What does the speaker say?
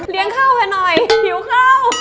เลี้ยงข้าวไปหน่อยหิวข้าว